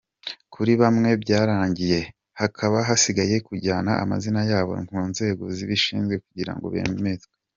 Kuri bamwe byararangiye, hakaba hasigaye kujyana amazina yabo ku nzego zibishinzwe kugirango bemezwe.